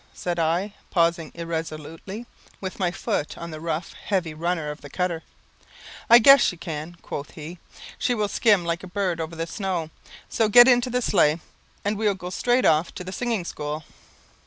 said I, pausing irresolutely, with my foot on the rough heavy runner of the cutter. "I guess she can," quoth he. "She will skim like a bird over the snow; so get into the sleigh, and we will go straight off to the singing school."